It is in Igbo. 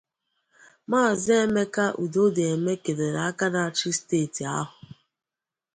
Maazị Emeka Udodeme kèlèrè aka na-achị steeti ahụ